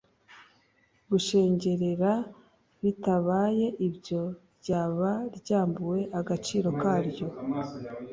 gushengererabitabaye ibyo ryaba ryambuwe agaciro karyo